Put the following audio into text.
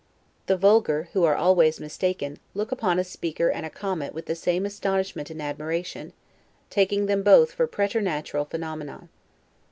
The vulgar, who are always mistaken, look upon a speaker and a comet with the same astonishment and admiration, taking them both for preternatural phenomena.